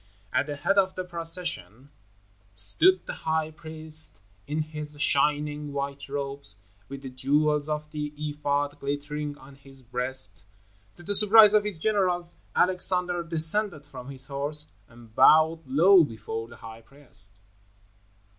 At the head of the procession stood the high priest in his shining white robes, with the jewels of the ephod glittering on his breast. To the surprise of his generals, Alexander descended from his horse and bowed low before the high priest.